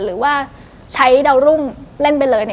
หรือว่าใช้ดาวรุ่งเล่นไปเลย